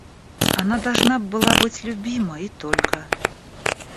Она должна была быть любима и только.